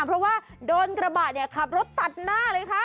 เพราะว่าโดนกระบะเนี่ยขับรถตัดหน้าเลยค่ะ